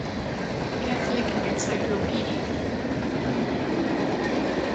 Catholic Encyclopedia